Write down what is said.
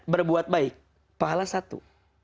berbuat baik pahala satu